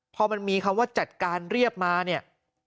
พอมันมีคำว่าจัดการเรียบมาเนี่ย